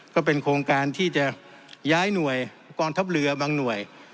ก็เป็นโครงการที่จะย้ายหน่วยกองทัพเรือบางหน่วย